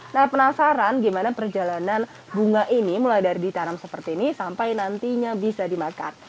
nah penasaran gimana perjalanan bunga ini mulai dari ditanam seperti ini sampai nantinya bisa dimakan